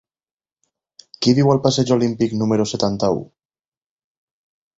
Qui viu al passeig Olímpic número setanta-u?